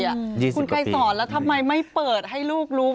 คุณไกรสอนแล้วทำไมไม่เปิดให้ลูกรู้